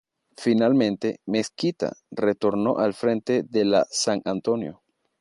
Finalmente Mezquita retornó al frente de la "San Antonio".